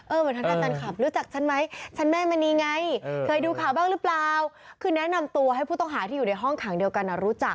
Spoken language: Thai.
เหมือนทางด้านแฟนคลับรู้จักฉันไหมฉันแม่มณีไงเคยดูข่าวบ้างหรือเปล่าคือแนะนำตัวให้ผู้ต้องหาที่อยู่ในห้องขังเดียวกันรู้จัก